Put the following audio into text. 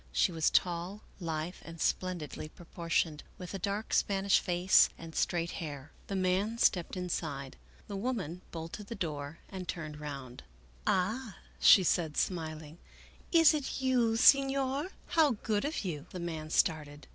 She was tall, lithe, and splendidly proportioned, with a dark Spanish face and straight hair. The man stepped inside. The woman bolted the door and turned round. " Ah," she said, smiling, " it is you, Senor ? How good of you !" The man started.